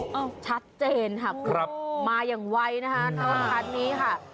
โอ้โอ้ชัดเจนค่ะครับมาอย่างไวนะคะข้างนี้ค่ะ